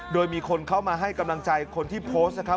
โดยมีคนเข้ามาให้กำลังใจคนที่โพสต์นะครับ